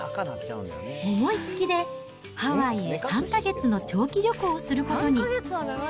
思いつきでハワイへ３か月の長期旅行をすることに。